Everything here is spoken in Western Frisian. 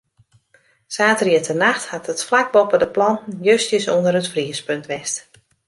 Saterdeitenacht hat it flak boppe de planten justjes ûnder it friespunt west.